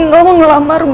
nino aku mau bersama nino